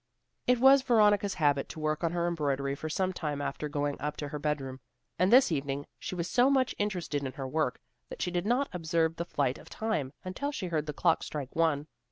It was Veronica's habit to work on her embroidery for some time after going up to her bedroom, and this evening she was so much interested in her work, that she did not observe the flight of time, until she heard the clock strike one.